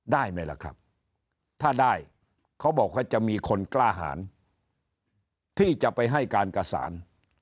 ได้ไหมล่ะครับถ้าได้เขาบอกว่าจะมีคนกล้าหารที่จะไปให้การกับสาร